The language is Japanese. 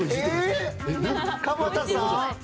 鎌田さん？